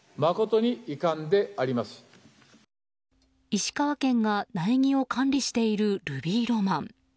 石川県が苗木を管理しているルビーロマン。